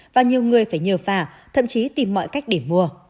và nhiều người phải nhờ phà thậm chí tìm mọi cách để mua